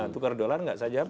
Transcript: tukar dolar nggak saya jawab